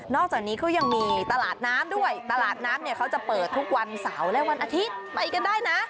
อกจากนี้ก็ยังมีตลาดน้ำด้วยตลาดน้ำเนี่ยเขาจะเปิดทุกวันเสาร์และวันอาทิตย์ไปกันได้นะ